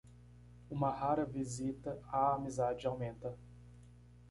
Uma rara visita à amizade aumenta.